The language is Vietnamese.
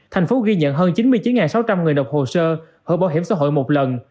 thành phố ghi nhận hơn chín mươi chín sáu trăm linh người đọc hồ sơ hưởng bảo hiểm xã hội một lần